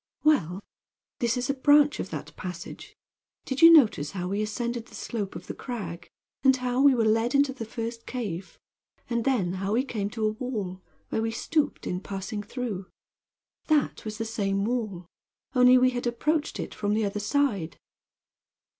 "Well, this is a branch of that passage. Did you notice how we ascended the slope of the crag, and how we were led into the first cave; and then how we came to a wall, where we stooped in passing through? That was the same wall, only we had approached it from the other side."